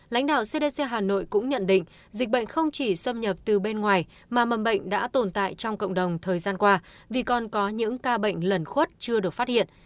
lãnh đạo cdc hà nội cũng nhận định dịch bệnh không chỉ xâm nhập từ bên ngoài mà mầm bệnh đã tồn tại trong cộng đồng thời gian qua vì còn có những ca bệnh lần khuất chưa được phát hiện